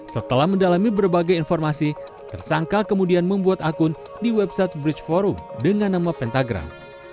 setelah mendalami berbagai informasi tersangka kemudian membuat akun di website bridge forum dengan nama pentagram